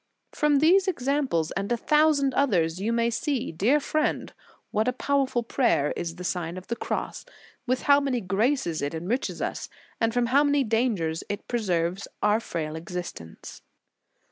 * From these examples, and a thousand others, you may see, dear friend, what a powerful prayer is the Sign of the Cross, with how many graces it enriches us, and * S. Greg., lib. ii, c. 3. In the Nineteenth Century. 187 from how many dangers it preserves our frail existence.